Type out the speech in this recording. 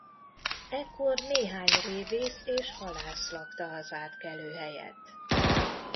Ekkor néhány révész és halász lakta az átkelőhelyet.